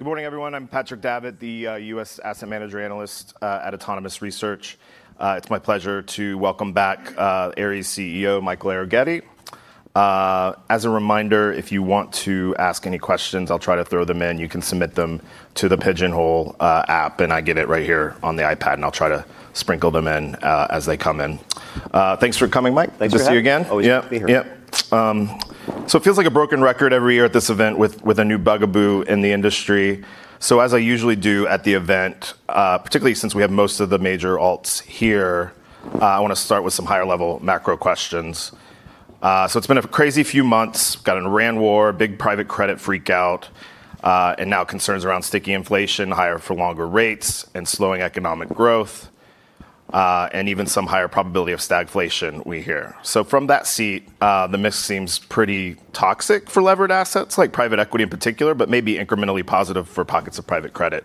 Good morning, everyone. I'm Patrick Davitt, the U.S. asset manager analyst at Autonomous Research. It's my pleasure to welcome back Ares CEO, Michael Arougheti. As a reminder, if you want to ask any questions, I'll try to throw them in. You can submit them to the Pigeonhole app, and I get it right here on the iPad, and I'll try to sprinkle them in as they come in. Thanks for coming, Mike. Thanks for having me. Good to see you again. Always good to be here. Yep. It feels like a broken record every year at this event with a new bugaboo in the industry. As I usually do at the event, particularly since we have most of the major alts here, I want to start with some higher-level macro questions. It's been a crazy few months. Got an Iran war, big private credit freak-out, and now concerns around sticky inflation, higher-for-longer rates and slowing economic growth, and even some higher probability of stagflation we hear. From that seat, the mix seems pretty toxic for levered assets, like private equity in particular, but maybe incrementally positive for pockets of private credit.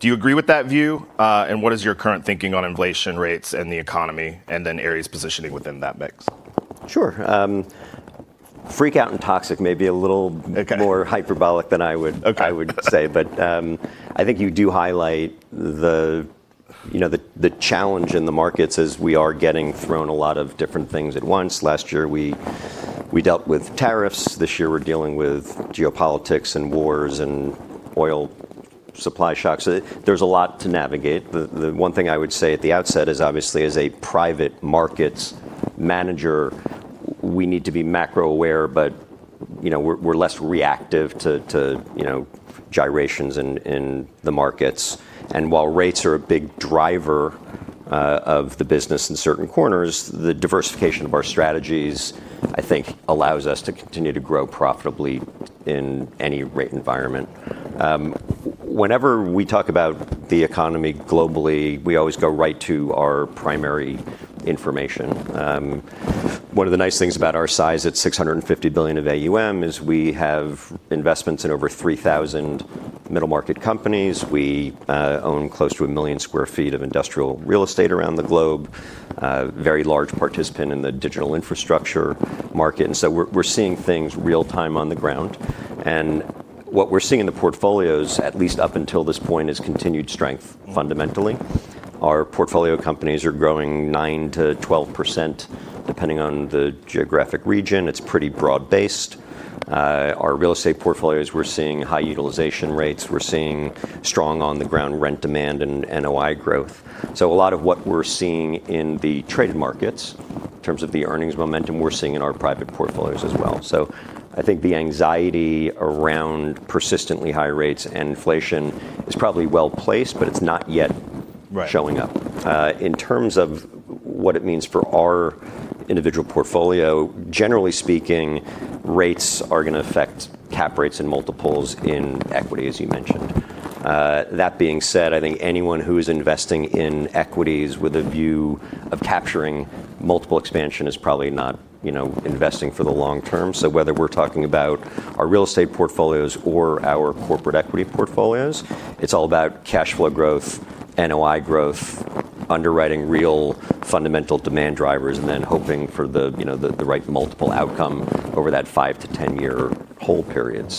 Do you agree with that view? What is your current thinking on inflation rates and the economy, and then Ares positioning within that mix? Sure. Freak-out and toxic may be a little- Okay. ...more hyperbolic than I would say. Okay. I think you do highlight the challenge in the markets as we are getting thrown a lot of different things at once. Last year, we dealt with tariffs. This year, we're dealing with geopolitics and wars and oil supply shocks. There's a lot to navigate. The one thing I would say at the outset is, obviously, as a private markets manager, we need to be macro-aware, but we're less reactive to gyrations in the markets. While rates are a big driver of the business in certain corners, the diversification of our strategies, I think, allows us to continue to grow profitably in any rate environment. Whenever we talk about the economy globally, we always go right to our primary information. One of the nice things about our size, at 650 billion of AUM, is we have investments in over 3,000 middle-market companies. We own close to 1 million sq ft of industrial real estate around the globe, a very large participant in the digital infrastructure market. We're seeing things real-time on the ground. What we're seeing in the portfolios, at least up until this point, is continued strength fundamentally. Our portfolio companies are growing 9%-12%, depending on the geographic region. It's pretty broad-based. Our real estate portfolios, we're seeing high utilization rates. We're seeing strong on-the-ground rent demand and NOI growth. A lot of what we're seeing in the traded markets, in terms of the earnings momentum, we're seeing in our private portfolios as well. I think the anxiety around persistently high rates and inflation is probably well-placed, but it's not yet- Right. ...showing up. In terms of what it means for our individual portfolio, generally speaking, rates are going to affect cap rates and multiples in equity, as you mentioned. That being said, I think anyone who is investing in equities with a view of capturing multiple expansion is probably not investing for the long term. Whether we're talking about our real estate portfolios or our corporate equity portfolios, it's all about cash flow growth, NOI growth, underwriting real fundamental demand drivers, and then hoping for the right multiple outcome over that 5-10-year hold period.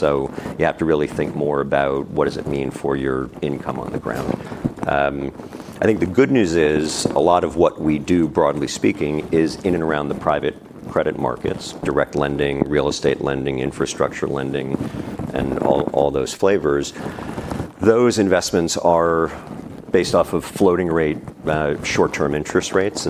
You have to really think more about what does it mean for your income on the ground. I think the good news is a lot of what we do, broadly speaking, is in and around the private credit markets, direct lending, real estate lending, infrastructure lending, and all those flavors. Those investments are based off of floating-rate short-term interest rates.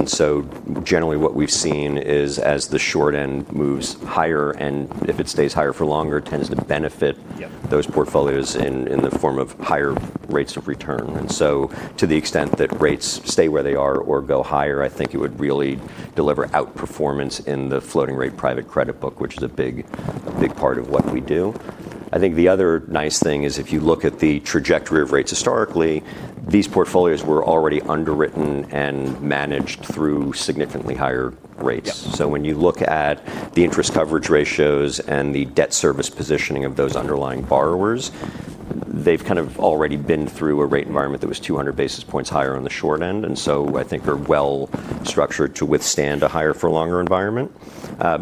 Generally what we've seen is as the short end moves higher, and if it stays higher for longer, tends to benefit- Yep. ...those portfolios in the form of higher rates of retirement to the extent that rates stay where they are or go higher, I think it would really deliver outperformance in the floating rate private credit book, which is a big part of what we do. I think the other nice thing is if you look at the trajectory of rates historically, these portfolios were already underwritten and managed through significantly higher rates. Yep. When you look at the interest coverage ratios and the debt service positioning of those underlying borrowers, they've kind of already been through a rate environment that was 200 basis points higher on the short end. I think are well-structured to withstand a higher-for-longer environment.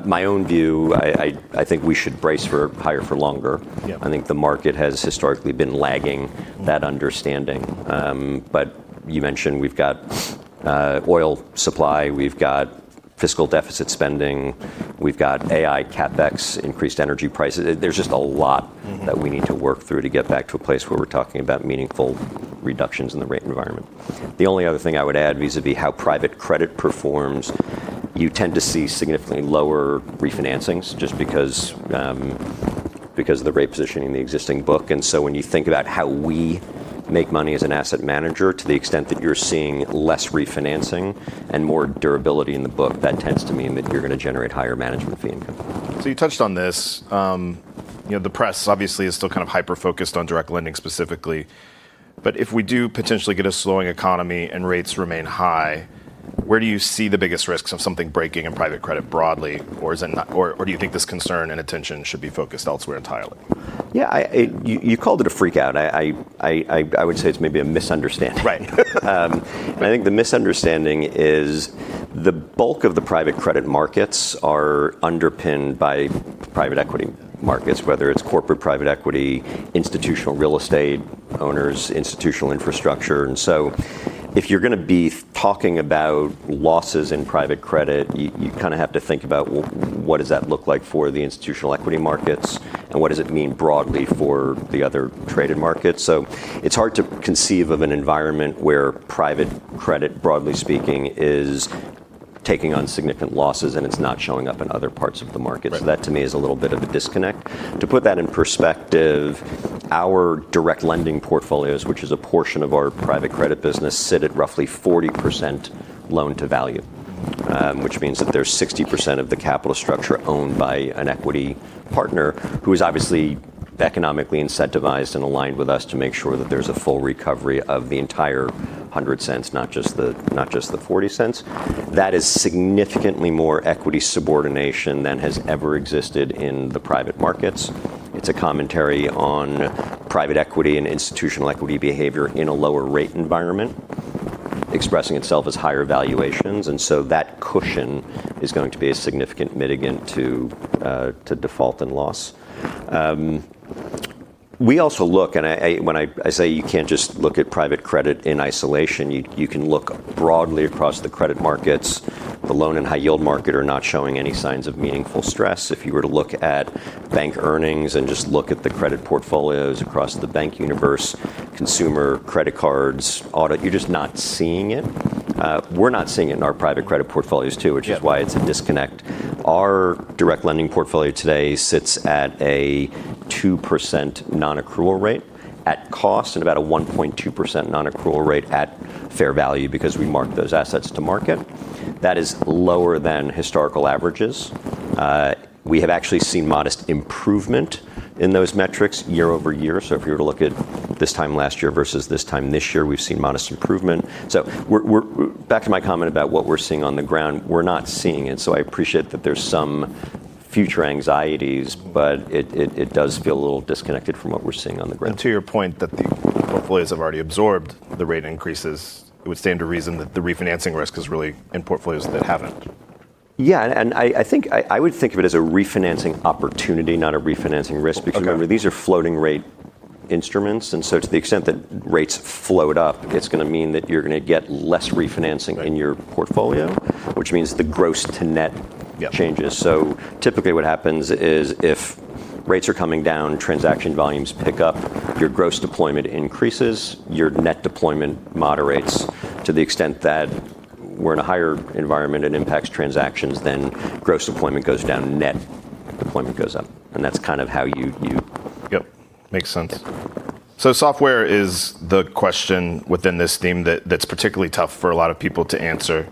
My own view, I think we should brace for higher for longer. Yep. I think the market has historically been lagging that understanding. You mentioned we've got oil supply. We've got fiscal deficit spending. We've got AI CapEx, increased energy prices. There's just a lot that we need to work through to get back to a place where we're talking about meaningful reductions in the rate environment. The only other thing I would add vis-à-vis how private credit performs, you tend to see significantly lower refinancings just because of the rate positioning in the existing book. When you think about how we make money as an asset manager, to the extent that you're seeing less refinancing and more durability in the book, that tends to mean that you're going to generate higher management fee income. You touched on this. The press obviously is still kind of hyper-focused on direct lending specifically. If we do potentially get a slowing economy and rates remain high, where do you see the biggest risks of something breaking in private credit broadly? Do you think this concern and attention should be focused elsewhere entirely? Yeah. You called it a freak-out, and I would say it's maybe a misunderstanding. Right. I think the misunderstanding is the bulk of the private credit markets are underpinned by private equity markets, whether it's corporate private equity, institutional real estate owners, institutional infrastructure. If you're going to be talking about losses in private credit, you have to think about, well, what does that look like for the institutional equity markets, and what does it mean broadly for the other traded markets? It's hard to conceive of an environment where private credit, broadly speaking, is taking on significant losses and it's not showing up in other parts of the market. Right. That to me is a little bit of a disconnect. To put that in perspective, our direct lending portfolios, which is a portion of our private credit business, sit at roughly 40% loan-to-value, which means that there's 60% of the capital structure owned by an equity partner who is obviously economically incentivized and aligned with us to make sure that there's a full recovery of the entire $1.00, not just the $0.40. That is significantly more equity subordination than has ever existed in the private markets. It's a commentary on private equity and institutional equity behavior in a lower rate environment, expressing itself as higher valuations. That cushion is going to be a significant mitigant to default and loss. We also look, and when I say you can't just look at private credit in isolation, you can look broadly across the credit markets. The loan and high-yield market are not showing any signs of meaningful stress. If you were to look at bank earnings and just look at the credit portfolios across the bank universe, consumer credit cards, auto, you're just not seeing it. We're not seeing it in our private credit portfolios too- Yeah. ...which is why it's a disconnect. Our direct lending portfolio today sits at a 2% non-accrual rate at cost and about a 1.2% non-accrual rate at fair value because we mark those assets to market. That is lower than historical averages. We have actually seen modest improvement in those metrics year-over-year. If you were to look at this time last year versus this time this year, we've seen modest improvement. Back to my comment about what we're seeing on the ground, we're not seeing it so I appreciate that there's some future anxieties, but it does feel a little disconnected from what we're seeing on the ground. To your point that the portfolios have already absorbed the rate increases, it would stand to reason that the refinancing risk is really in portfolios that haven't. Yeah, I would think of it as a refinancing opportunity, not a refinancing risk. Okay. Remember, these are floating rate instruments, and so to the extent that rates float up, it's going to mean that you're going to get less refinancing- Right. ...in your portfolio, which means the gross-to-net- Yeah. ...changes. Typically what happens is if rates are coming down, transaction volumes pick up, your gross deployment increases, your net deployment moderates. To the extent that we're in a higher environment, it impacts transactions, then gross deployment goes down, net deployment goes up. That's kind of how you- Yep. Makes sense. Yeah. Software is the question within this theme that's particularly tough for a lot of people to answer.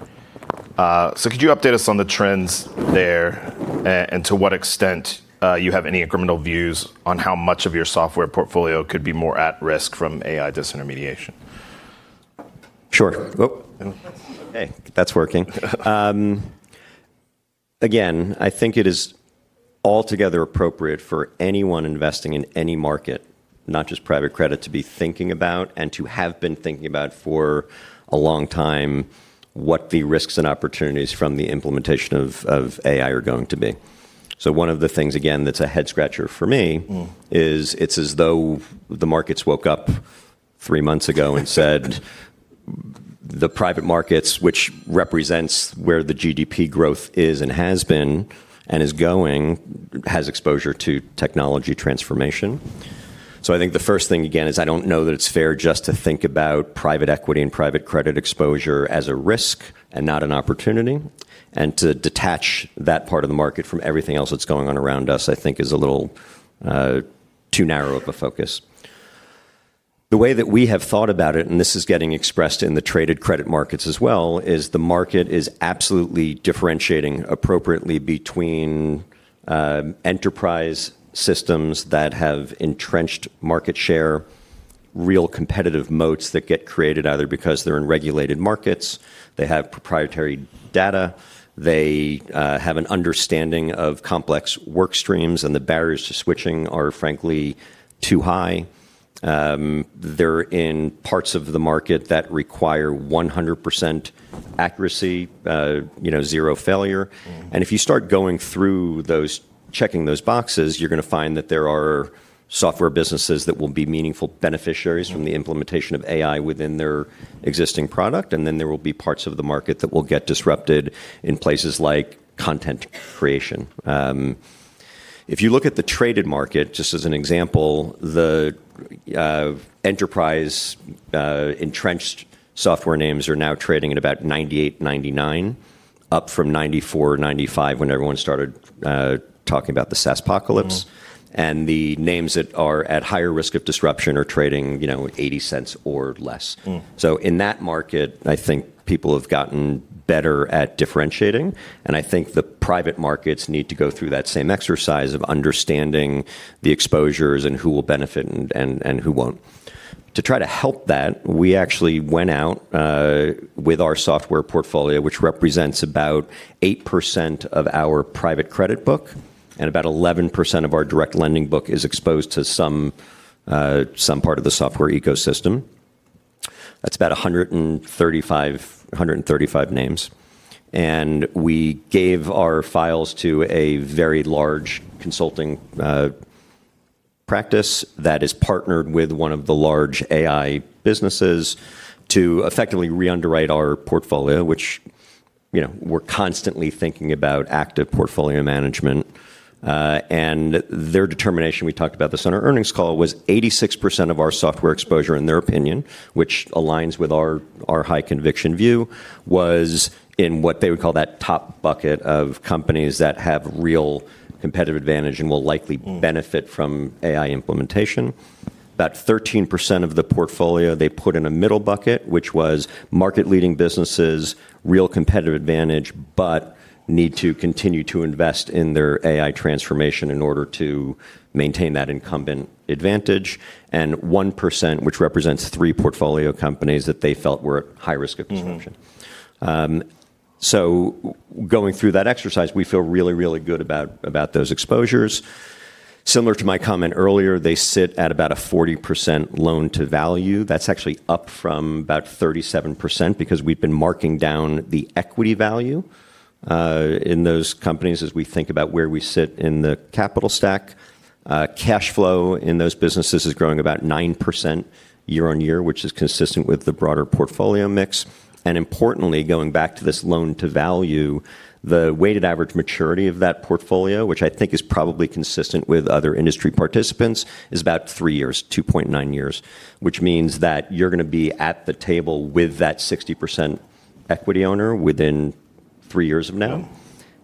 Could you update us on the trends there and to what extent you have any incremental views on how much of your software portfolio could be more at risk from AI disintermediation? Sure. Okay, that's working. Again, I think it is altogether appropriate for anyone investing in any market, not just private credit, to be thinking about and to have been thinking about for a long time what the risks and opportunities from the implementation of AI are going to be. One of the things, again, that's a head-scratcher for me is it's as though the markets woke up three months ago and said the private markets, which represents where the GDP growth is and has been and is going, has exposure to technology transformation. I think the first thing, again, is I don't know that it's fair just to think about private equity and private credit exposure as a risk and not an opportunity, and to detach that part of the market from everything else that's going on around us, I think is a little too narrow of a focus. The way that we have thought about it, and this is getting expressed in the traded credit markets as well, is the market is absolutely differentiating appropriately between enterprise systems that have entrenched market share, real competitive moats that get created either because they're in regulated markets, they have proprietary data, they have an understanding of complex work streams, and the barriers to switching are, frankly, too high. They're in parts of the market that require 100% accuracy, zero failure. If you start going through checking those boxes, you're going to find that there are software businesses that will be meaningful beneficiaries from the implementation of AI within their existing product, and then there will be parts of the market that will get disrupted in places like content creation. If you look at the traded market, just as an example, the enterprise-entrenched software names are now trading at about 98%, 99%, up from 94%, 95% when everyone started talking about the SaaSpocalypse. The names that are at higher risk of disruption are trading $0.80 or less. In that market, I think people have gotten better at differentiating, and I think the private markets need to go through that same exercise of understanding the exposures and who will benefit and who won't. To try to help that, we actually went out with our software portfolio, which represents about 8% of our private credit book, and about 11% of our direct lending book is exposed to some part of the software ecosystem. That's about 135 names. We gave our files to a very large consulting practice that is partnered with one of the large AI businesses to effectively re-underwrite our portfolio, which we're constantly thinking about active portfolio management. Their determination, we talked about this on our earnings call, was 86% of our software exposure, in their opinion, which aligns with our high conviction view, was in what they would call that top bucket of companies that have real competitive advantage and will likely benefit from AI implementation. About 13% of the portfolio they put in a middle bucket, which was market leading businesses, real competitive advantage, but need to continue to invest in their AI transformation in order to maintain that incumbent advantage. 1%, which represents three portfolio companies that they felt were at high risk of disruption. Going through that exercise, we feel really, really good about those exposures. Similar to my comment earlier, they sit at about a 40% loan to value. That's actually up from about 37% because we've been marking down the equity value, in those companies as we think about where we sit in the capital stack. Cash flow in those businesses is growing about 9% year-on-year, which is consistent with the broader portfolio mix. Importantly, going back to this loan to value, the weighted average maturity of that portfolio, which I think is probably consistent with other industry participants, is about three years, 2.9 years, which means that you're going to be at the table with that 60% equity owner within three years of now.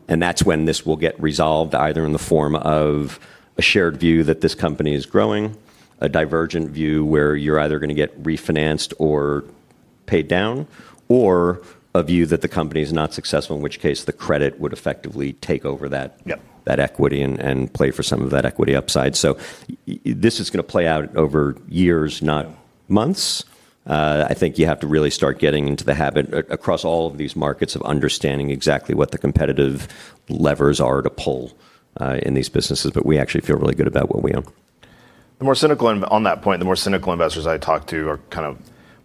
Yeah. That's when this will get resolved, either in the form of a shared view that this company is growing, a divergent view where you're either going to get refinanced or paid down, or a view that the company is not successful, in which case the credit would effectively take over- Yep. ...that equity and play for some of that equity upside. This is going to play out over years, not months. I think you have to really start getting into the habit across all of these markets, of understanding exactly what the competitive levers are to pull in these businesses. We actually feel really good about what we own. On that point, the more cynical investors I talk to kind of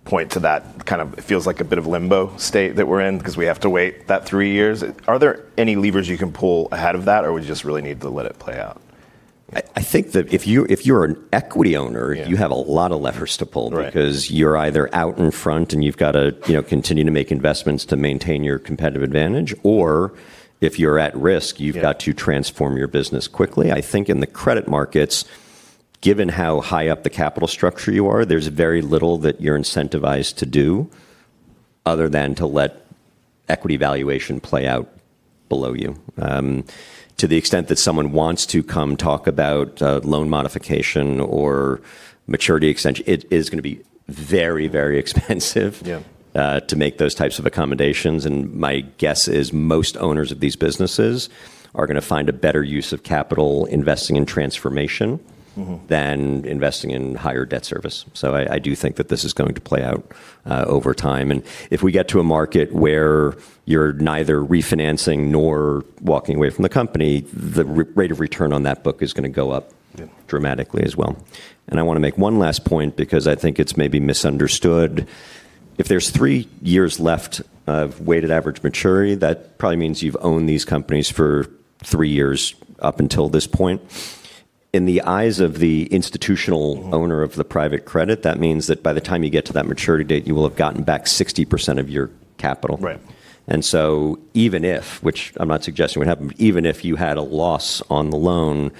point to that, kind of feels like a bit of limbo state that we're in because we have to wait that three years. Are there any levers you can pull ahead of that, or we just really need to let it play out? I think that if you're an equity owner- Yeah. ...you have a lot of levers to pull- Right. ...because you're either out in front and you've got to continue to make investments to maintain your competitive advantage, or if you're at risk. Yeah. You've got to transform your business quickly. I think in the credit markets, given how high up the capital structure you are, there's very little that you're incentivized to do other than to let equity valuation play out below you. To the extent that someone wants to come talk about loan modification or maturity extension, it is going to be very, very expensive- Yeah. ...to make those types of accommodations, and my guess is most owners of these businesses are going to find a better use of capital investing in transformation than investing in higher debt service. I do think that this is going to play out over time. If we get to a market where you're neither refinancing nor walking away from the company, the rate of return on that book is going to go up- Yeah. ...dramatically as well. I want to make one last point because I think it's maybe misunderstood. If there's three years left of weighted average maturity, that probably means you've owned these companies for three years up until this point. In the eyes of the institutional owner of the private credit, that means that by the time you get to that maturity date, you will have gotten back 60% of your capital. Right. Even if, which I'm not suggesting would happen, even if you had a loss on the loan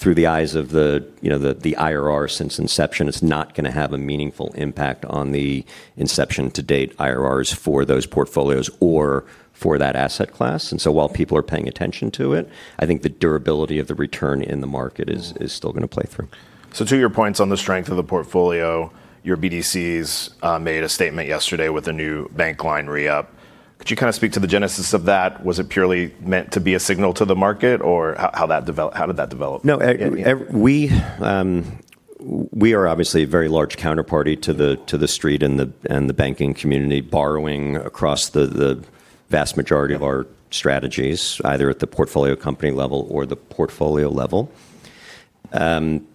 through the eyes of the IRR since inception, it's not going to have a meaningful impact on the inception to date IRRs for those portfolios or for that asset class. While people are paying attention to it, I think the durability of the return in the market is- is still going to play through. To your points on the strength of the portfolio, your BDCs made a statement yesterday with a new bank line re-up. Could you kind of speak to the genesis of that? Was it purely meant to be a signal to the market, or how did that develop? No, we are obviously a very large counterparty to the street and the banking community, borrowing across the vast majority of our strategies, either at the portfolio company level or the portfolio level.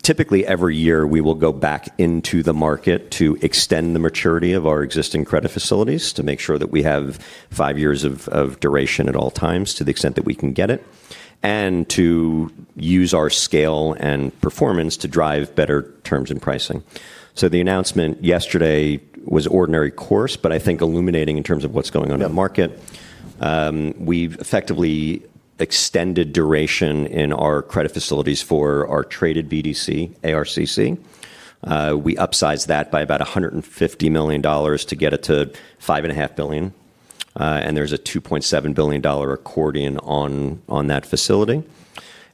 Typically, every year, we will go back into the market to extend the maturity of our existing credit facilities to make sure that we have five years of duration at all times to the extent that we can get it, and to use our scale and performance to drive better terms and pricing. The announcement yesterday was ordinary course, but I think illuminating in terms of what's going on in the market. Yeah. We've effectively extended duration in our credit facilities for our traded BDC, ARCC. We upsized that by about $150 million to get it to $5.5 billion. There's a $2.7 billion accordion on that facility.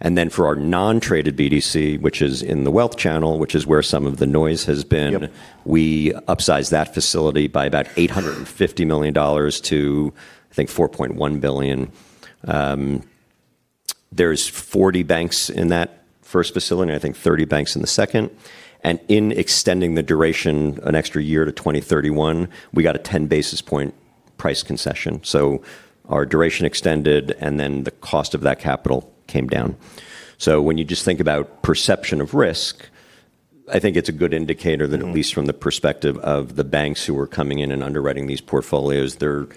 Then for our non-traded BDC, which is in the wealth channel, which is where some of the noise has been- Yep. ...We upsized that facility by about $850 million to, I think, $4.1 billion. There's 40 banks in that first facility, and I think 30 banks in the second. In extending the duration an extra year to 2031, we got a 10 basis point price concession. Our duration extended, and then the cost of that capital came down. When you just think about perception of risk, I think it's a good indicator that at least from the perspective of the banks who are coming in and underwriting these portfolios, they're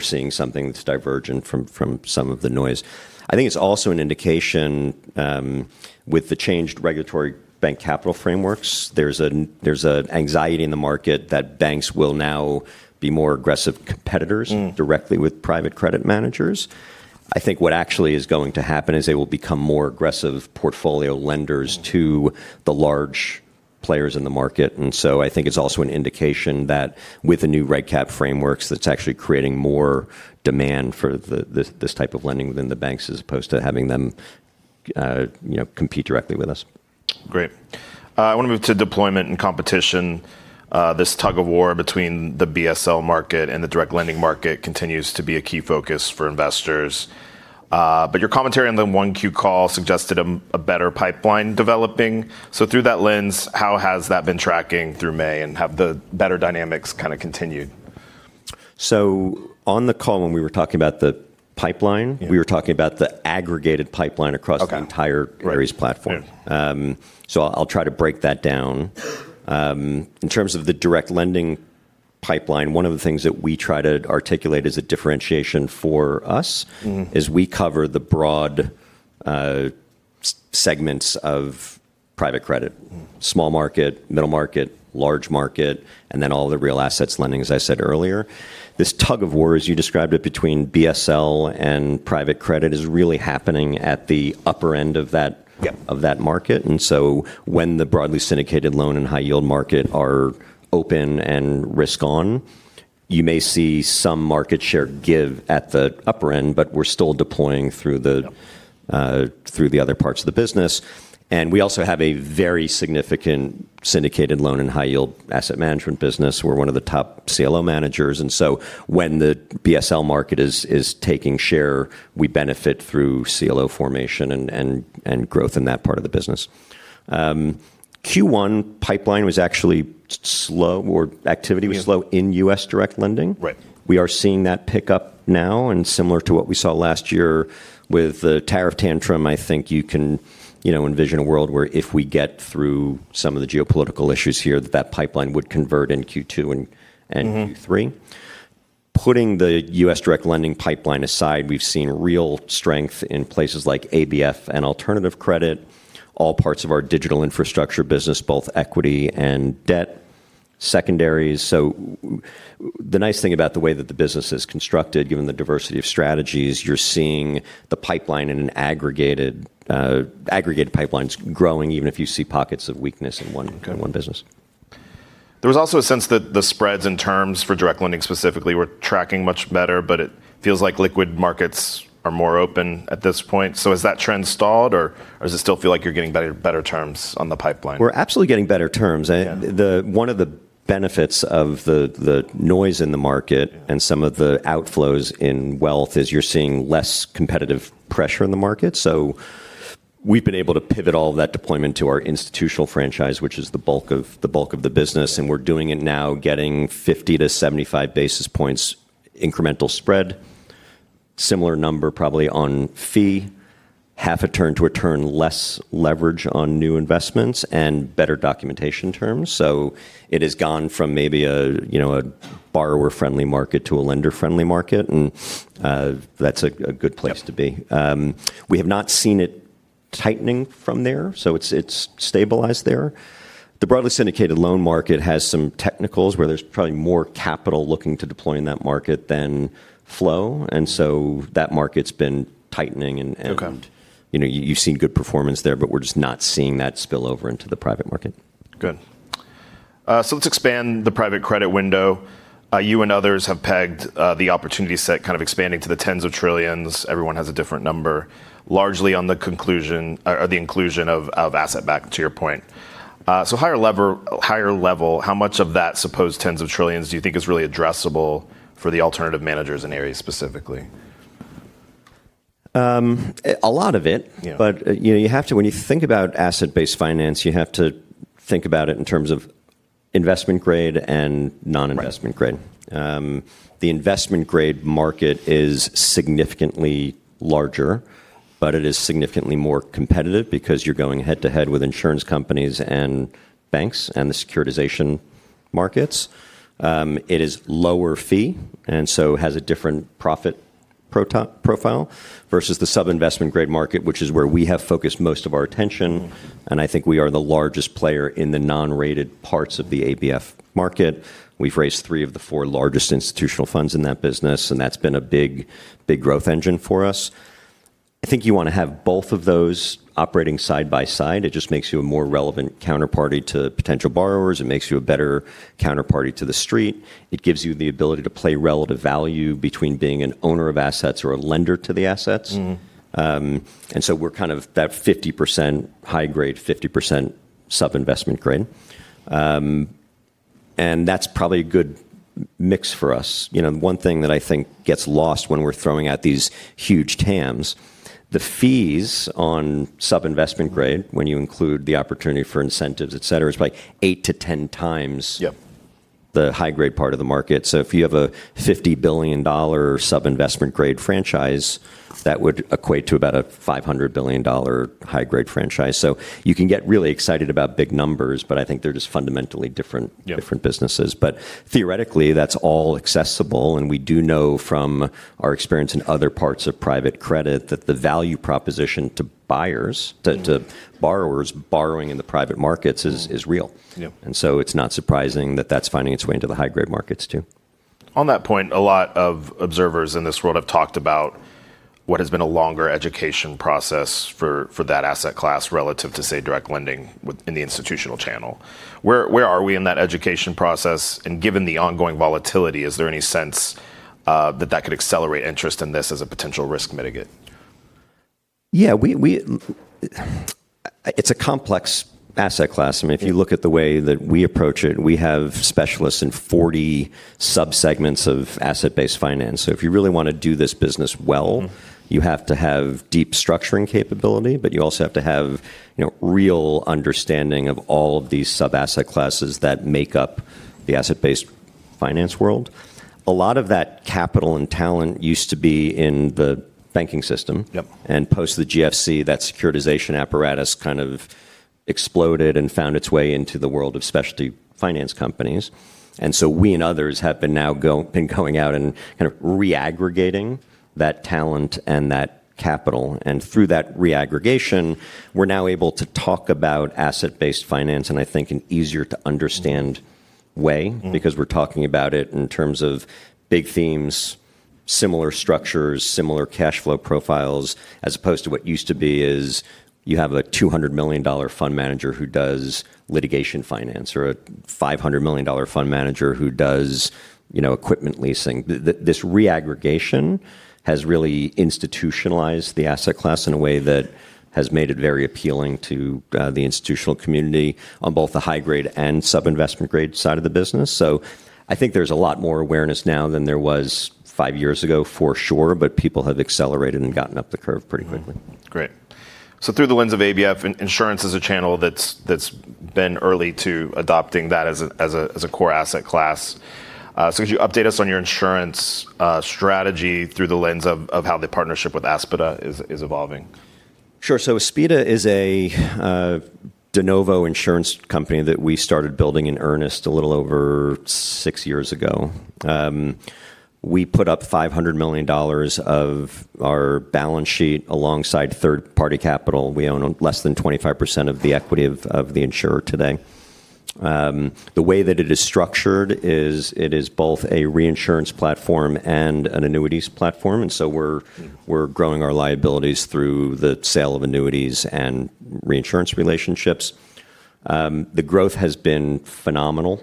seeing something that's divergent from some of the noise. I think it's also an indication, with the changed regulatory bank capital frameworks, there's an anxiety in the market that banks will now be more aggressive competitors directly with private credit managers. I think what actually is going to happen is they will become more aggressive portfolio lenders to the large players in the market. I think it's also an indication that with the new reg cap frameworks, that's actually creating more demand for this type of lending within the banks, as opposed to having them compete directly with us. Great. I want to move to deployment and competition. This tug of war between the BSL market and the direct lending market continues to be a key focus for investors. Your commentary on the 1Q call suggested a better pipeline developing. Through that lens, how has that been tracking through May, and have the better dynamics kind of continued? On the call, when we were talking about the pipeline- Yeah. ...we were talking about the aggregated pipeline across- Okay. ...the entire Ares platform. Right. Yeah. I'll try to break that down. In terms of the direct lending pipeline, one of the things that we try to articulate as a differentiation for us, is we cover the broad segments of private credit. Small market, middle market, large market, and then all the real assets lending, as I said earlier. This tug of war, as you described it, between BSL and private credit, is really happening at the upper end of that- Yeah. ...market and so when the broadly syndicated loan and high yield market are open and risk on, you may see some market share give at the upper end, but we're still deploying. Yeah. through the other parts of the business. We also have a very significant syndicated loan and high yield asset management business. We're one of the top CLO managers. When the BSL market is taking share, we benefit through CLO formation and growth in that part of the business. Q1 pipeline was actually slow, or activity was slow in U.S. direct lending. Right. We are seeing that pick up now, and similar to what we saw last year with the tariff tantrum, I think you can envision a world where if we get through some of the geopolitical issues here, that pipeline would convert in Q2 and Q3. Putting the U.S. direct lending pipeline aside, we've seen real strength in places like ABF and alternative credit, all parts of our digital infrastructure business, both equity and debt secondaries. The nice thing about the way that the business is constructed, given the diversity of strategies, you're seeing the pipeline in an aggregated pipelines growing, even if you see pockets of weakness in one business. Okay. There was also a sense that the spreads and terms for direct lending specifically were tracking much better, but it feels like liquid markets are more open at this point. Has that trend stalled, or does it still feel like you're getting better terms on the pipeline? We're absolutely getting better terms. Yeah. One of the benefits of the noise in the market- Yeah ...and some of the outflows in wealth is you're seeing less competitive pressure in the market. We've been able to pivot all of that deployment to our institutional franchise, which is the bulk of the business, and we're doing it now, getting 50-75 basis points incremental spread. Similar number probably on fee. Half a turn to a turn less leverage on new investments, and better documentation terms. It has gone from maybe a borrower-friendly market to a lender-friendly market, and that's a good place to be. Yeah. We have not seen it tightening from there, so it's stabilized there. The broadly syndicated loan market has some technicals where there's probably more capital looking to deploy in that market than flow and so that market's been tightening- Okay. ...and you've seen good performance there, but we're just not seeing that spill over into the private market. Good. Let's expand the private credit window. You and others have pegged the opportunity set kind of expanding to the tens of trillions. Everyone has a different number. Largely on the inclusion of asset-backed, to your point. Higher level, how much of that supposed tens of trillions do you think is really addressable for the alternative managers in Ares specifically? A lot of it. Yeah. When you think about asset-based finance, you have to think about it in terms of investment grade and non-investment grade. Right. The investment grade market is significantly larger, but it is significantly more competitive because you're going head-to-head with insurance companies and banks and the securitization markets. It is lower fee, and so has a different profit profile versus the sub-investment grade market, which is where we have focused most of our attention, and I think we are the largest player in the non-rated parts of the ABF market. We've raised three of the four largest institutional funds in that business, and that's been a big growth engine for us. I think you want to have both of those operating side by side. It just makes you a more relevant counterparty to potential borrowers. It makes you a better counterparty to the street. It gives you the ability to play relative value between being an owner of assets or a lender to the assets. We're kind of that 50% high grade, 50% sub-investment grade and that's probably a good mix for us. One thing that I think gets lost when we're throwing out these huge TAMs. The fees on sub-investment grade, when you include the opportunity for incentives, etc., is like 8-10x- Yep. ...the high-grade part of the market. If you have a $50 billion sub-investment grade franchise, that would equate to about a $500 billion high grade franchise. You can get really excited about big numbers, but I think they're just fundamentally different- Yep. ...businesses. Theoretically, that's all accessible, and we do know from our experience in other parts of private credit that the value proposition to buyers, to borrowers borrowing in the private markets is real. Yep. It's not surprising that that's finding its way into the high-grade markets, too. On that point, a lot of observers in this world have talked about what has been a longer education process for that asset class relative to, say, direct lending within the institutional channel. Where are we in that education process? Given the ongoing volatility, is there any sense that that could accelerate interest in this as a potential risk mitigate? Yeah. It's a complex asset class. I mean, if you look at the way that we approach it, we have specialists in 40 sub-segments of asset-based finance. If you really want to do this business well, you have to have deep structuring capability, but you also have to have real understanding of all of these sub-asset classes that make up the asset-based finance world. A lot of that capital and talent used to be in the banking system. Yep. And post the GFC, that securitization apparatus kind of exploded and found its way into the world of specialty finance companies. We and others have been now going out and kind of reaggregating that talent and that capital. Through that reaggregation, we're now able to talk about asset-based finance, and I think an easier to understand way, because we're talking about it in terms of big themes, similar structures, similar cash flow profiles, as opposed to what used to be is you have a $200 million fund manager who does litigation finance, or a $500 million fund manager who does equipment leasing. This reaggregation has really institutionalized the asset class in a way that has made it very appealing to the institutional community on both the high grade and sub-investment grade side of the business. I think there's a lot more awareness now than there was five years ago, for sure, but people have accelerated and gotten up the curve pretty quickly. Great. Through the lens of ABF, insurance is a channel that's been early to adopting that as a core asset class. Could you update us on your insurance strategy through the lens of how the partnership with Aspida is evolving? Sure. Aspida is a de novo insurance company that we started building in earnest a little over six years ago. We put up $500 million of our balance sheet alongside third-party capital. We own less than 25% of the equity of the insurer today. The way that it is structured is it is both a reinsurance platform and an annuities platform, and so we're growing our liabilities through the sale of annuities and reinsurance relationships. The growth has been phenomenal.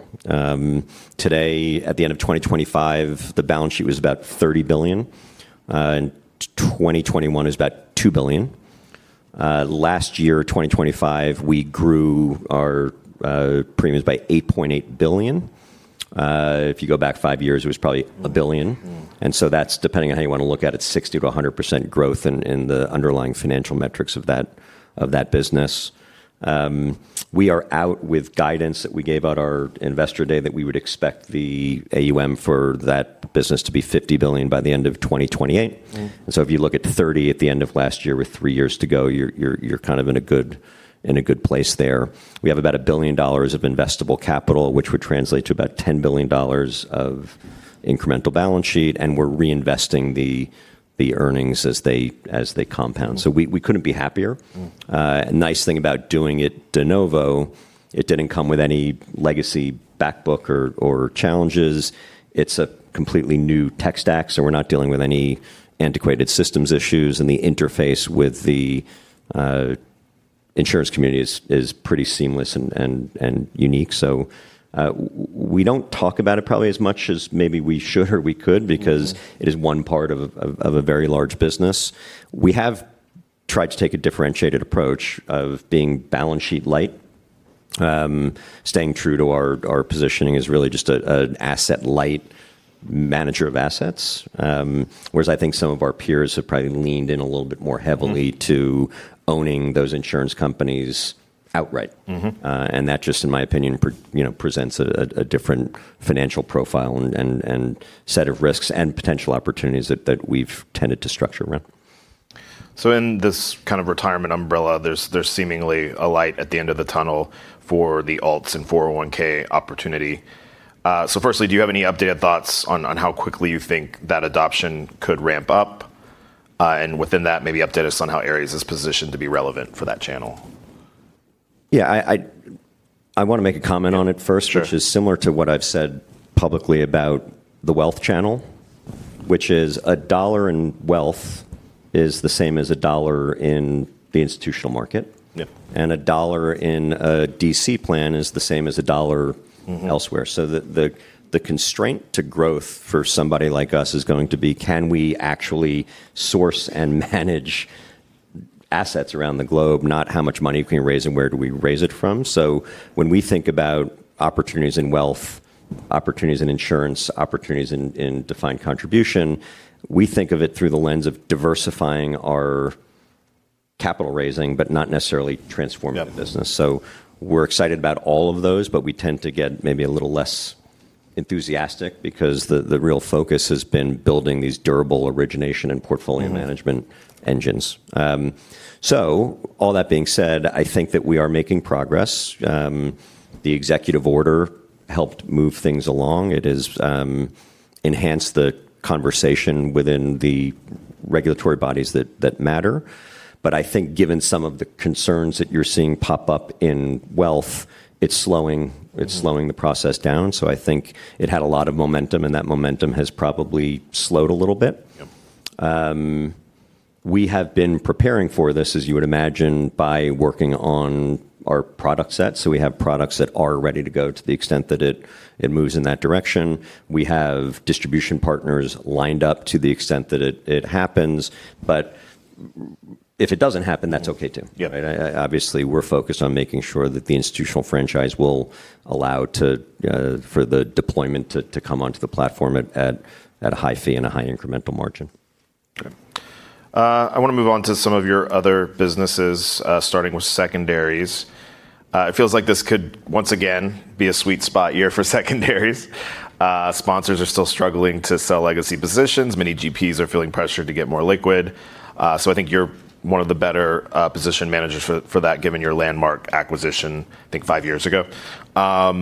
Today, at the end of 2025, the balance sheet was about $30 billion. In 2021, it was about $2 billion. Last year, 2025, we grew our premiums by $8.8 billion. If you go back five years, it was probably $1 billion. That's, depending on how you want to look at it, 60%-100% growth in the underlying financial metrics of that business. We are out with guidance that we gave out our Investor Day that we would expect the AUM for that business to be $50 billion by the end of 2028. If you look at $30 billion at the end of last year with three years to go, you're kind of in a good place there. We have about $1 billion of investable capital, which would translate to about $10 billion of incremental balance sheet, and we're reinvesting the earnings as they compound. We couldn't be happier. Nice thing about doing it de novo, it didn't come with any legacy back book or challenges. It's a completely new tech stack, so we're not dealing with any antiquated systems issues, and the interface with the insurance community is pretty seamless and unique. We don't talk about it probably as much as maybe we should or we could, because it is one part of a very large business. We have tried to take a differentiated approach of being balance sheet light. Staying true to our positioning as really just an asset light manager of assets, whereas I think some of our peers have probably leaned in a little bit more heavily to owning those insurance companies outright. That just, in my opinion, presents a different financial profile and set of risks and potential opportunities that we've tended to structure around. In this kind of retirement umbrella, there's seemingly a light at the end of the tunnel for the alts and 401(k) opportunity. Firstly, do you have any updated thoughts on how quickly you think that adoption could ramp up? Within that, maybe update us on how Ares is positioned to be relevant for that channel. Yeah. I want to make a comment on it first- Sure. ...which is similar to what I've said publicly about the wealth channel, which is $1 in wealth is the same as $1 in the institutional market. Yep. $1 in a DC plan is the same as $1 elsewhere. The constraint to growth for somebody like us is going to be, can we actually source and manage assets around the globe, not how much money we can raise and where do we raise it from. When we think about opportunities in wealth, opportunities in insurance, opportunities in defined contribution, we think of it through the lens of diversifying our capital raising, but not necessarily transforming- Yeah. ...the business. We're excited about all of those, but we tend to get maybe a little less enthusiastic because the real focus has been building these durable origination and portfolio management engines. All that being said, I think that we are making progress. The executive order helped move things along. It has enhanced the conversation within the regulatory bodies that matter. I think given some of the concerns that you're seeing pop up in wealth, it's slowing the process down. I think it had a lot of momentum, and that momentum has probably slowed a little bit. Yep. We have been preparing for this, as you would imagine, by working on our product set. We have products that are ready to go to the extent that it moves in that direction. We have distribution partners lined up to the extent that it happens, but if it doesn't happen, that's okay, too. Yeah. Obviously, we're focused on making sure that the institutional franchise will allow for the deployment to come onto the platform at a high fee and a high incremental margin. Okay. I want to move on to some of your other businesses, starting with secondaries. It feels like this could, once again, be a sweet spot year for secondaries. Sponsors are still struggling to sell legacy positions. Many GPs are feeling pressured to get more liquid. I think you're one of the better-positioned managers for that, given your Landmark acquisition, I think, five years ago. Are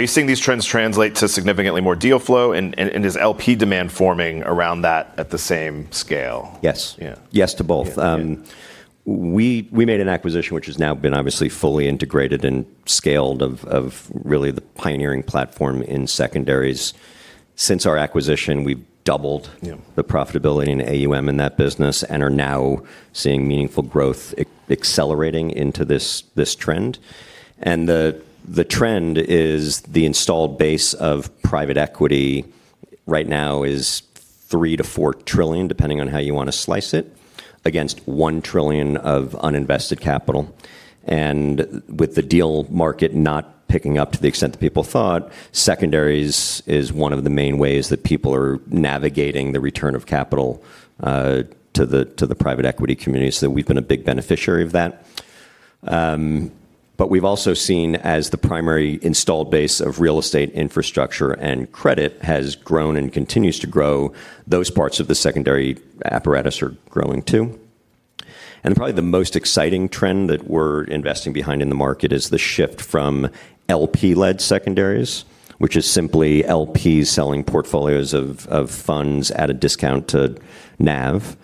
you seeing these trends translate to significantly more deal flow? Is LP demand forming around that at the same scale? Yes. Yeah. Yes to both. Yeah. We made an acquisition which has now been obviously fully integrated and scaled of really the pioneering platform in secondaries. Since our acquisition, we've doubled- Yeah. ...the profitability in AUM in that business and are now seeing meaningful growth accelerating into this trend. The trend is the installed base of private equity right now is $3 trillion-$4 trillion, depending on how you want to slice it, against $1 trillion of uninvested capital. With the deal market not picking up to the extent that people thought, secondaries is one of the main ways that people are navigating the return of capital to the private equity community so we've been a big beneficiary of that. We've also seen as the primary installed base of real estate infrastructure and credit has grown and continues to grow, those parts of the secondary apparatus are growing, too. Probably the most exciting trend that we're investing behind in the market is the shift from LP-led secondaries, which is simply LPs selling portfolios of funds at a discount to NAV,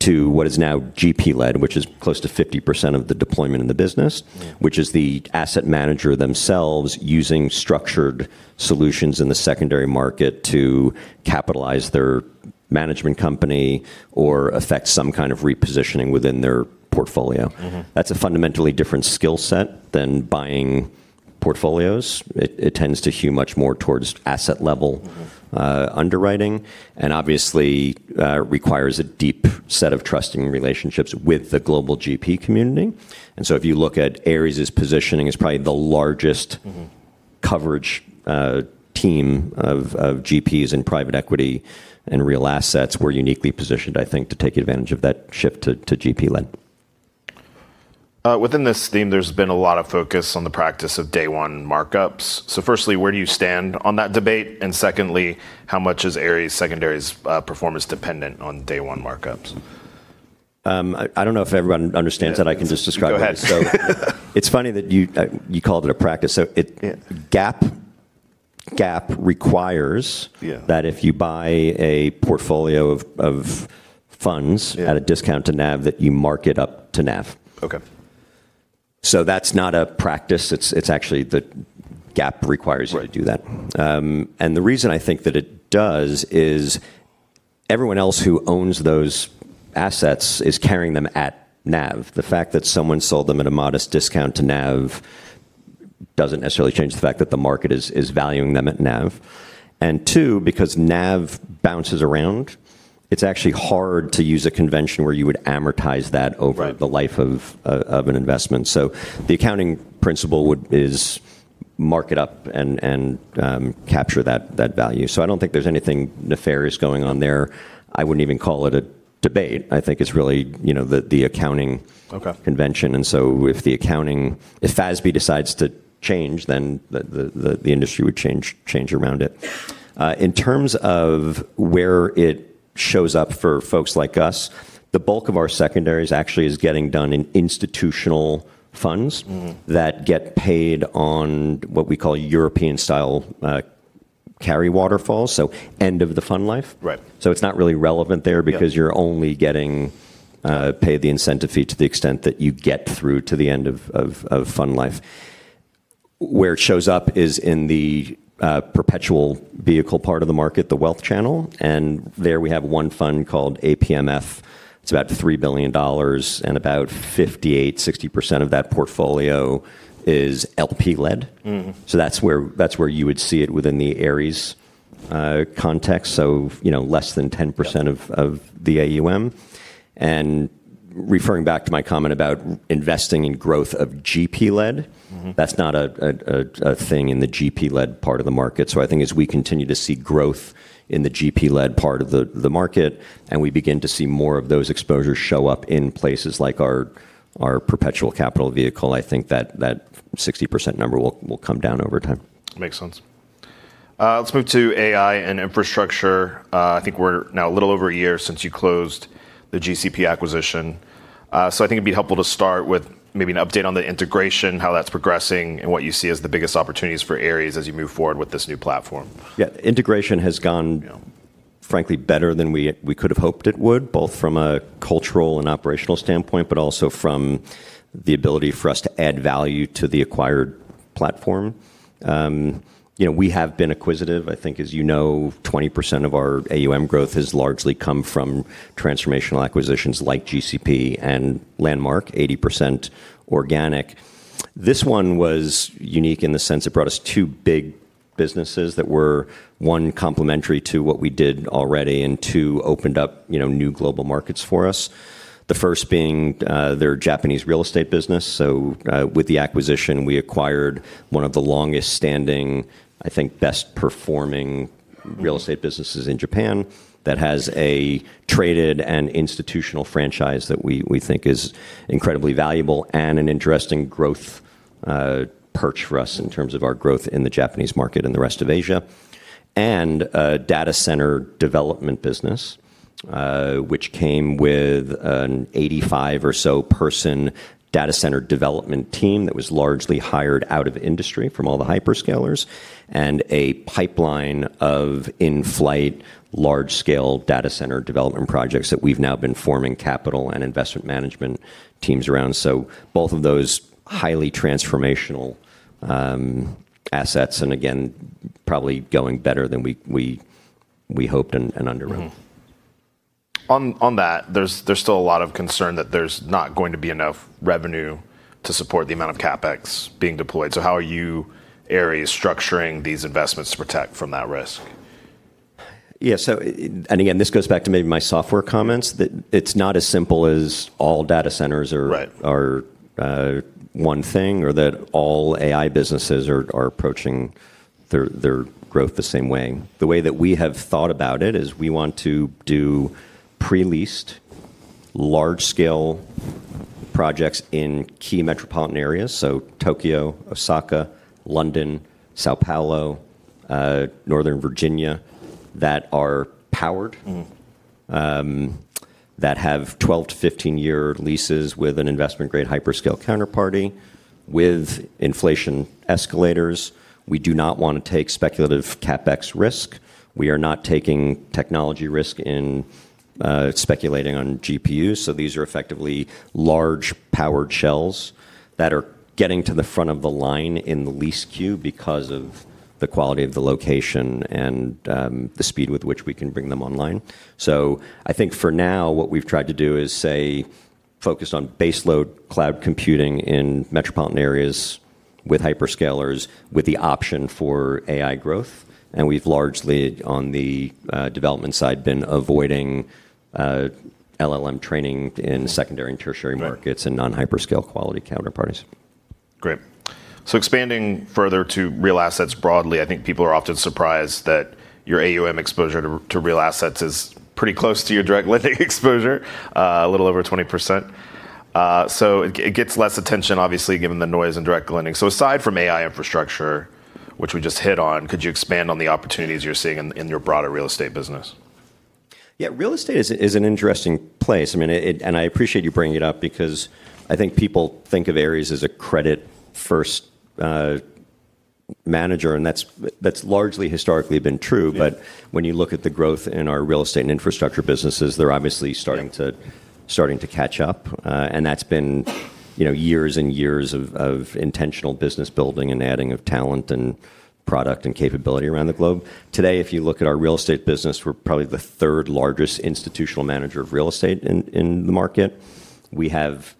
to what is now GP-led, which is close to 50% of the deployment in the business. Yeah. Which is the asset manager themselves using structured solutions in the secondary market to capitalize their management company or affect some kind of repositioning within their portfolio. That's a fundamentally different skill set than buying portfolios. It tends to hew much more towards asset-level underwriting, and obviously requires a deep set of trusting relationships with the global GP community. If you look at Ares' positioning as probably the largest coverage team of GPs in private equity and real assets, we're uniquely positioned, I think, to take advantage of that shift to GP-led. Within this theme, there's been a lot of focus on the practice of day one markups. Firstly, where do you stand on that debate? Secondly, how much is Ares secondaries performance dependent on day one markups? I don't know if everyone understands that. I can just describe it. Go ahead. It's funny that you called it a practice. GAAP requires that if you buy a portfolio of funds- Yeah. ...at a discount to NAV, that you mark it up to NAV. Okay. That's not a practice, it's actually that GAAP requires you to do that. Right. The reason I think that it does is everyone else who owns those assets is carrying them at NAV. The fact that someone sold them at a modest discount to NAV doesn't necessarily change the fact that the market is valuing them at NAV. Two, because NAV bounces around, it's actually hard to use a convention where you would amortize that- Right. ...over the life of an investment. The accounting principle is mark it up and capture that value. I don't think there's anything nefarious going on there. I wouldn't even call it a debate. I think it's really the accounting- Okay. ...convention. If FASB decides to change, then the industry would change around it. In terms of where it shows up for folks like us, the bulk of our secondaries actually is getting done in institutional funds. That get paid on what we call European-style carry waterfalls, so end of the fund life- Right. So it's not really relevant there. Yeah. You're only getting paid the incentive fee to the extent that you get through to the end of fund life. Where it shows up is in the perpetual vehicle part of the market, the wealth channel, and there we have one fund called APMF so it's about $3 billion. About 58%-60% of that portfolio is LP-led. That's where you would see it within the Ares context. Less than 10% of the AUM. Referring back to my comment about investing in growth of GP-led, that's not a thing in the GP-led part of the market. I think as we continue to see growth in the GP-led part of the market, and we begin to see more of those exposures show up in places like our perpetual capital vehicle, I think that 60% number will come down over time. Makes sense. Let's move to AI and infrastructure. I think we're now a little over one year since you closed the GCP acquisition. I think it'd be helpful to start with maybe an update on the integration, how that's progressing, and what you see as the biggest opportunities for Ares as you move forward with this new platform. Yeah. Integration has gone, frankly, better than we could have hoped it would, both from a cultural and operational standpoint, but also from the ability for us to add value to the acquired platform. We have been acquisitive. I think, as you know, 20% of our AUM growth has largely come from transformational acquisitions like GCP and Landmark, 80% organic. This one was unique in the sense it brought us two big businesses that were, one, complementary to what we did already, and two, opened up new global markets for us. The first being their Japanese real estate business. With the acquisition, we acquired one of the longest standing, I think, best performing real estate businesses in Japan that has a traded and institutional franchise that we think is incredibly valuable and an interesting growth perch for us in terms of our growth in the Japanese market and the rest of Asia. A data center development business, which came with an 85 or so person data center development team that was largely hired out of industry from all the hyperscalers, and a pipeline of in-flight large scale data center development projects that we've now been forming capital and investment management teams around. Both of those highly transformational assets, and again, probably going better than we hoped and underwrote. On that, there's still a lot of concern that there's not going to be enough revenue to support the amount of CapEx being deployed. How are you, Ares, structuring these investments to protect from that risk? Yeah. Again, this goes back to maybe my software comments, that it's not as simple as all data centers are- Right. ...one thing, or that all AI businesses are approaching their growth the same way. The way that we have thought about it is we want to do pre-leased large scale projects in key metropolitan areas. Tokyo, Osaka, London, São Paulo, Northern Virginia, that are powered, that have 12-15-year leases with an investment grade hyperscale counterparty with inflation escalators. We do not want to take speculative CapEx risk. We are not taking technology risk in speculating on GPUs. These are effectively large powered shells that are getting to the front of the line in the lease queue because of the quality of the location and the speed with which we can bring them online. I think for now, what we've tried to do is, say, focus on baseload cloud computing in metropolitan areas with hyperscalers, with the option for AI growth. We've largely, on the development side, been avoiding LLM training in secondary and tertiary markets- Right. ...so non-hyperscale quality counterparties. Great. Expanding further to real assets broadly, I think people are often surprised that your AUM exposure to real assets is pretty close to your direct lending exposure, a little over 20%. It gets less attention, obviously, given the noise in direct lending. Aside from AI infrastructure, which we just hit on, could you expand on the opportunities you're seeing in your broader real estate business? Yeah, real estate is an interesting place. I appreciate you bringing it up because I think people think of Ares as a credit first manager, and that's largely historically been true. Yeah. When you look at the growth in our real estate and infrastructure businesses, they're obviously starting to catch up and that's been years and years of intentional business building and adding of talent and product and capability around the globe. Today, if you look at our real estate business, we're probably the third largest institutional manager of real estate in the market. We have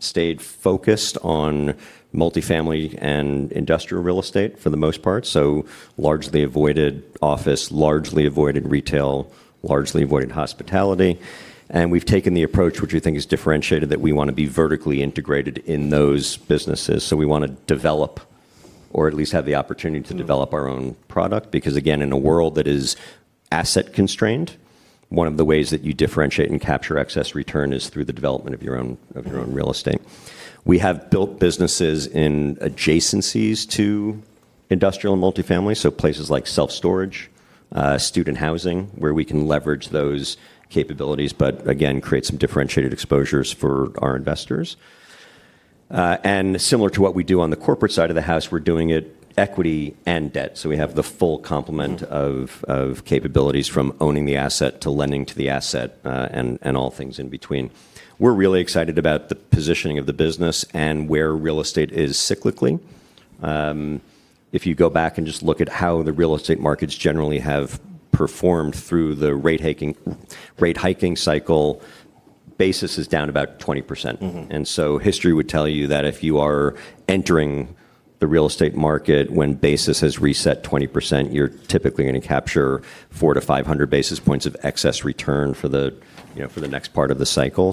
stayed focused on multifamily and industrial real estate for the most part. Largely avoided office, largely avoided retail, largely avoided hospitality and we've taken the approach which we think is differentiated, that we want to be vertically integrated in those businesses, so we want to develop or at least have the opportunity to develop our own product. Because again, in a world that is asset-constrained, one of the ways that you differentiate and capture excess return is through the development of your own real estate. We have built businesses in adjacencies to industrial and multifamily, so places like self-storage, student housing, where we can leverage those capabilities, but again, create some differentiated exposures for our investors. Similar to what we do on the corporate side of the house, we're doing it equity and debt. We have the full complement of capabilities from owning the asset, to lending to the asset, and all things in between. We're really excited about the positioning of the business and where real estate is cyclically. If you go back and just look at how the real estate markets generally have performed through the rate hiking cycle, basis is down about 20%. History would tell you that if you are entering the real estate market when basis has reset 20%, you're typically going to capture 400-500 basis points of excess return for the next part of the cycle.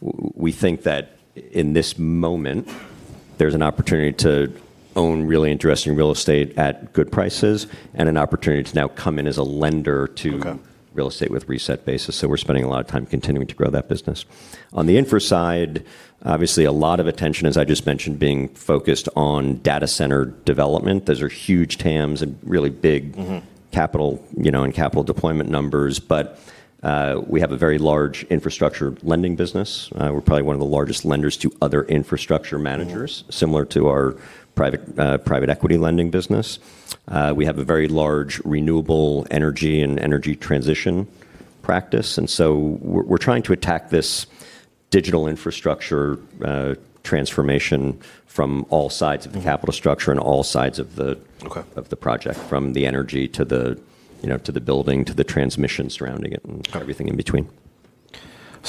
We think that in this moment, there's an opportunity to own really interesting real estate at good prices, and an opportunity to now come in as a lender. Okay. Real estate with reset basis. We're spending a lot of time continuing to grow that business. On the infra side, obviously a lot of attention, as I just mentioned, being focused on data center development. Those are huge TAMs. Capital and capital deployment numbers. We have a very large infrastructure lending business. We're probably one of the largest lenders to other infrastructure managers. Similar to our private equity lending business. We have a very large renewable energy and energy transition practice and so we're trying to attack this digital infrastructure transformation from all sides of the capital structure- Okay. ...and all sides if the project, from the energy to the building to the transmission surrounding it and everything in between.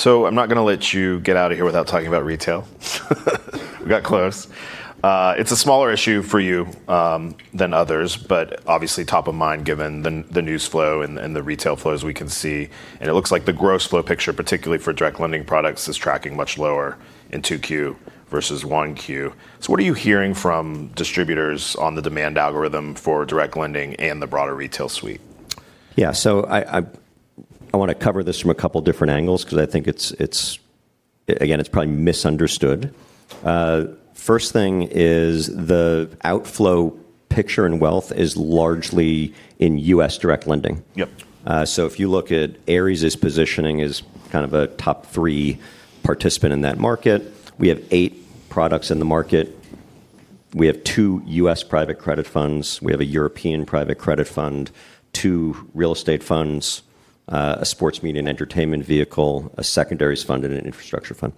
I'm not going to let you get out of here without talking about retail. We got close. It's a smaller issue for you than others, but obviously top of mind given the news flow and the retail flows we can see, and it looks like the gross flow picture, particularly for direct lending products, is tracking much lower in 2Q versus 1Q. What are you hearing from distributors on the demand algorithm for direct lending and the broader retail suite? Yeah. I want to cover this from a couple of different angles because I think it's, again, it's probably misunderstood. First thing is the outflow picture in wealth is largely in U.S. direct lending. Yep. If you look at Ares' positioning as kind of a top three participant in that market, we have eight products in the market. We have two U.S. private credit funds, we have a European private credit fund, two real estate funds, a sports media and entertainment vehicle, a secondaries fund, and an infrastructure fund.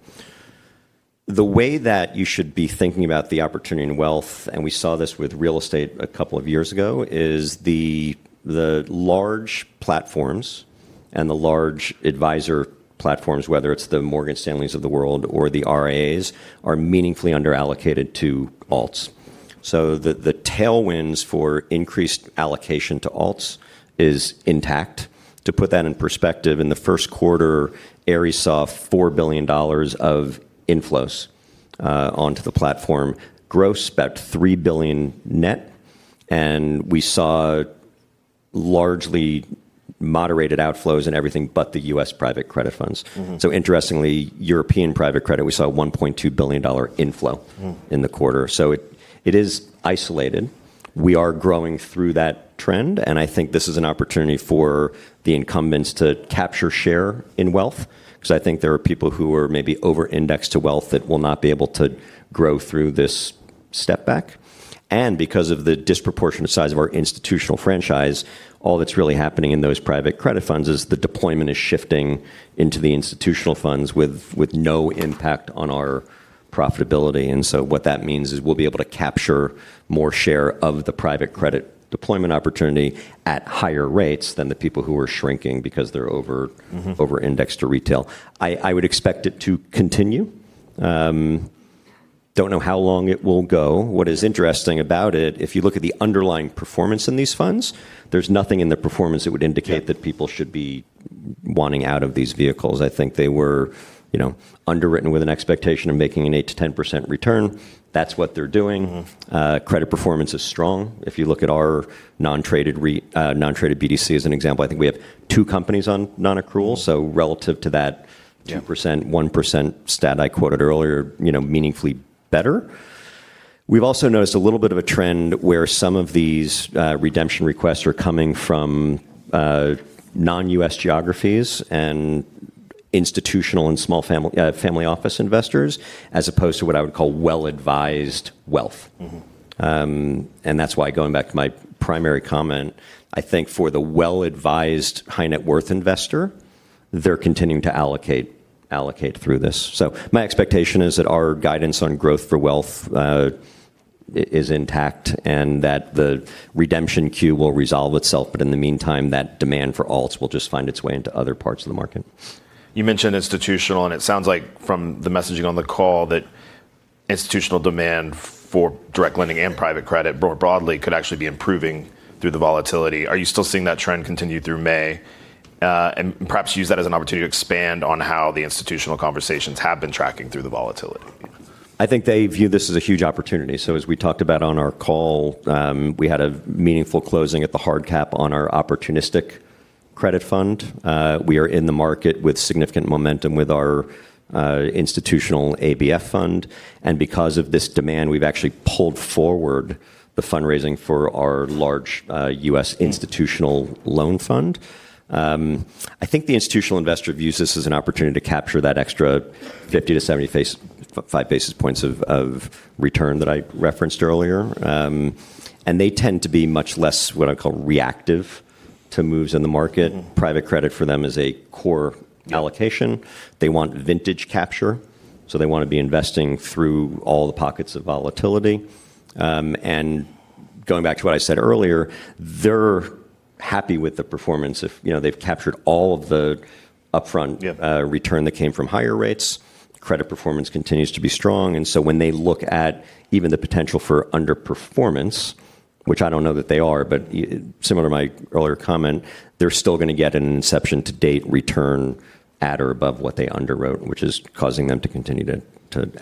The way that you should be thinking about the opportunity and wealth, and we saw this with real estate a couple of years ago, is the large platforms and the large advisor platforms, whether it's the Morgan Stanleys of the world or the RIAs, are meaningfully under-allocated to alts. The tailwinds for increased allocation to alts is intact. To put that in perspective, in the first quarter, Ares saw $4 billion of inflows onto the platform, gross about $3 billion net. We saw largely moderated outflows in everything but the U.S. private credit funds. Interestingly, European private credit, we saw a $1.2 billion inflow in the quarter. It is isolated. We are growing through that trend, and I think this is an opportunity for the incumbents to capture share in wealth, because I think there are people who are maybe over-indexed to wealth that will not be able to grow through this step-back. Because of the disproportionate size of our institutional franchise, all that's really happening in those private credit funds is the deployment is shifting into the institutional funds with no impact on our profitability. What that means is we'll be able to capture more share of the private credit deployment opportunity at higher rates than the people who are shrinking because they're over indexed to retail. I would expect it to continue. Don't know how long it will go. What is interesting about it, if you look at the underlying performance in these funds, there's nothing in the performance that would indicate- Yeah. ...that people should be wanting out of these vehicles. I think they were underwritten with an expectation of making an 8%-10% return. That's what they're doing. Credit performance is strong. If you look at our non-traded BDC as an example, I think we have two companies on non-accrual. Yeah. So relative to that 2%, 1% stat I quoted earlier, meaningfully better. We've also noticed a little bit of a trend where some of these redemption requests are coming from non-U.S. geographies and institutional and small family office investors, as opposed to what I would call well-advised wealth. That's why going back to my primary comment, I think for the well-advised high net worth investor, they're continuing to allocate through this. My expectation is that our guidance on growth for wealth is intact and that the redemption queue will resolve itself. In the meantime, that demand for alts will just find its way into other parts of the market. You mentioned institutional. It sounds like from the messaging on the call that institutional demand for direct lending and private credit, more broadly, could actually be improving through the volatility. Are you still seeing that trend continue through May? Perhaps use that as an opportunity to expand on how the institutional conversations have been tracking through the volatility. I think they view this as a huge opportunity. As we talked about on our call, we had a meaningful closing at the hard cap on our opportunistic credit fund. We are in the market with significant momentum with our institutional ABF fund, and because of this demand, we've actually pulled forward the fundraising for our large U.S. institutional loan fund. I think the institutional investor views this as an opportunity to capture that extra 50-75 basis points of return that I referenced earlier. They tend to be much less what I call reactive to moves in the market. Private credit for them is a core allocation. Yeah. They want vintage capture, so they want to be investing through all the pockets of volatility. Going back to what I said earlier, they're happy with the performance if they've captured all the- Yep. ...upfront return that came from higher rates. Credit performance continues to be strong. When they look at even the potential for underperformance, which I don't know that they are, but similar to my earlier comment, they're still going to get an inception-to-date return at or above what they underwrote, which is causing them to continue to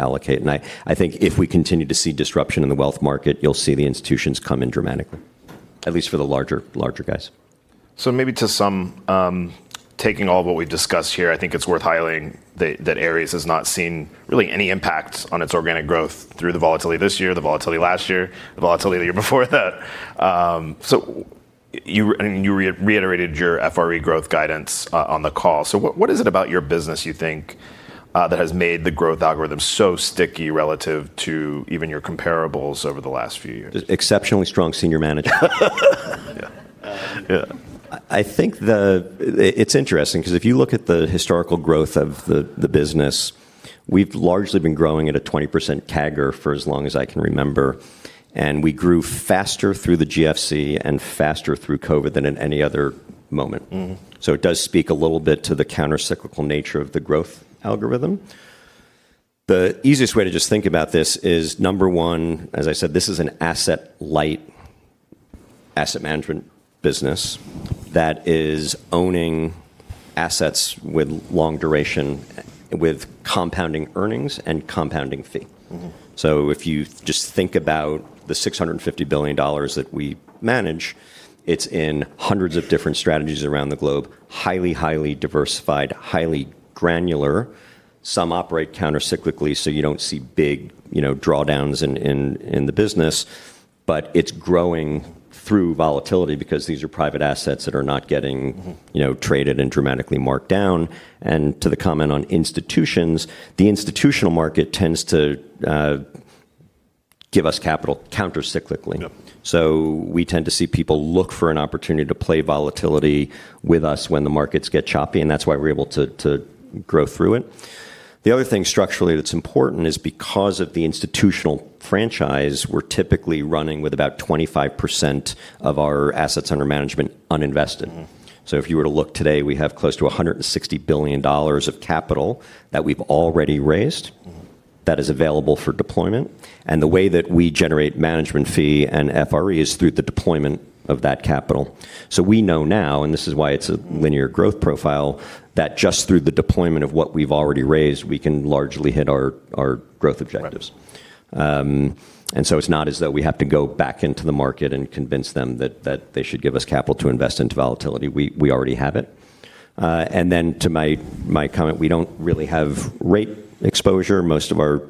allocate. I think if we continue to see disruption in the wealth market, you'll see the institutions come in dramatically, at least for the larger guys. Maybe to sum, taking all what we've discussed here, I think it's worth highlighting that Ares has not seen really any impact on its organic growth through the volatility this year, the volatility last year, the volatility the year before that. You reiterated your FRE growth guidance on the call. What is it about your business you think that has made the growth algorithm so sticky relative to even your comparables over the last few years? Exceptionally strong senior management. Yeah. I think it's interesting because if you look at the historical growth of the business, we've largely been growing at a 20% CAGR for as long as I can remember. We grew faster through the GFC and faster through COVID than at any other moment. It does speak a little bit to the countercyclical nature of the growth algorithm. The easiest way to just think about this is number one, as I said, this is an asset-light asset management business that is owning assets with long duration, with compounding earnings and compounding fee. If you just think about the $650 billion that we manage, it's in hundreds of different strategies around the globe. Highly, highly diversified, highly granular. Some operate countercyclically, so you don't see big drawdowns in the business, but it's growing through volatility because these are private assets that are not getting traded and dramatically marked down. To the comment on institutions, the institutional market tends to give us capital countercyclically. Yep. We tend to see people look for an opportunity to play volatility with us when the markets get choppy, and that's why we're able to grow through it. The other thing structurally that's important is because of the institutional franchise, we're typically running with about 25% of our assets under management uninvested. If you were to look today, we have close to $160 billion of capital that we've already raised that is available for deployment. The way that we generate management fee and FRE is through the deployment of that capital. We know now, and this is why it's a linear growth profile, that just through the deployment of what we've already raised, we can largely hit our growth objectives. Right. It's not as though we have to go back into the market and convince them that they should give us capital to invest into volatility. We already have it. To my comment, we don't really have rate exposure. Most of our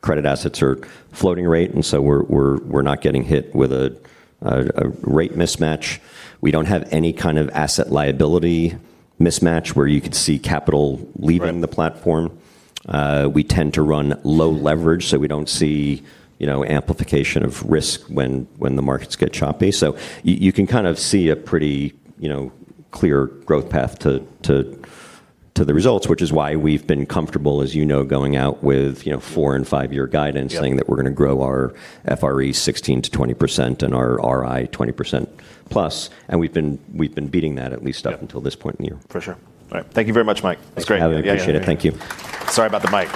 credit assets are floating rate, and so we're not getting hit with a rate mismatch. We don't have any kind of asset liability mismatch where you could see capital leaving the platform. Right. We tend to run low leverage. We don't see amplification of risk when the markets get choppy. You can kind of see a pretty clear growth path to the results, which is why we've been comfortable, as you know, going out with four- and five-year guidance. Yep. Saying that we're going to grow our FRE 16%-20% and our RI 20%+. We've been beating that. Yeah. Until this point in the year. For sure. All right. Thank you very much, Mike. That's great. Happy to have you. I appreciate it. Thank you. Sorry about the mic.